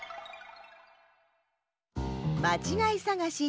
まちがいさがし２